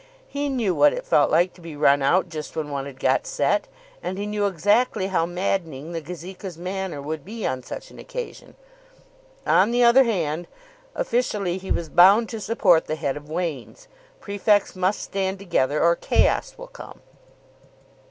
He knew what it felt like to be run out just when one had got set, and he knew exactly how maddening the Gazeka's manner would be on such an occasion. On the other hand, officially he was bound to support the head of Wain's. Prefects must stand together or chaos will come.